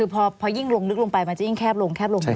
พอยิ่งลงลึกลงไปมันจะยิ่งแคบลงแคบลง